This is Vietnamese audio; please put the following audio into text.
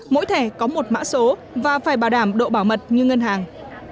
mỗi thẻ có một mã số và phải bảo đảm độ bảo mật như ngân hàng